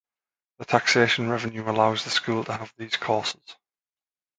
The taxation revenue allows the school to have these courses.